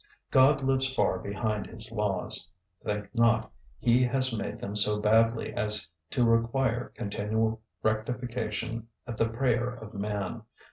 God lives far behind His laws; think not He has made them so badly as to require continual rectification at the prayer of man.